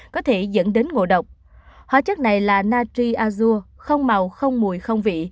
có thể dẫn đến ngộ độc hóa chất này là natriazur không màu không mùi không vị